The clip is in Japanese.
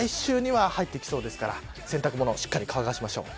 来週には入ってきそうですから洗濯物しっかり乾かしましょう。